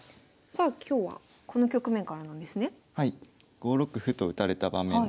５六歩と打たれた場面です。